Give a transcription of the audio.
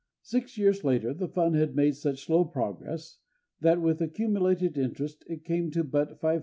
Six years later the fund had made such slow progress that, with accumulated interest, it came to but $587.